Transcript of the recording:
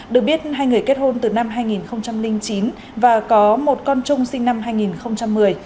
được biết hai người kết hôn từ năm hai nghìn chín và có một con chung sinh năm hai nghìn một mươi